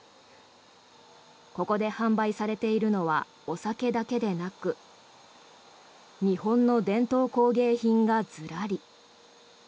ここで販売されているのはお酒だけでなく日本の伝統工芸品がずらり。